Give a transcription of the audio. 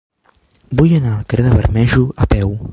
Vull anar al carrer de Bermejo a peu.